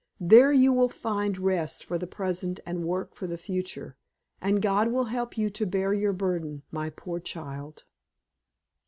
There you will find rest for the present and work for the future, and God will help you to bear your burden, my poor child."